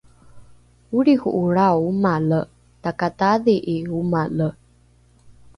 olriho’olrao omale takataadhi’i omale